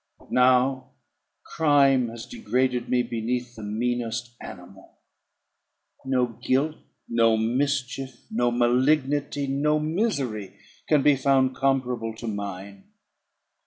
But now crime has degraded me beneath the meanest animal. No guilt, no mischief, no malignity, no misery, can be found comparable to mine.